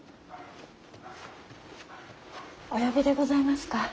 お呼びでございますか。